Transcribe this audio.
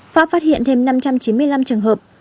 pháp phát hiện thêm năm trăm chín mươi năm trường hợp